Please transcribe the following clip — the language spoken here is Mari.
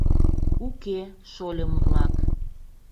Уке, шольым-влак.